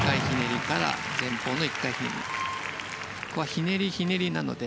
ひねり、ひねりなので